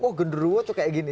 oh genderuwo tuh kayak gini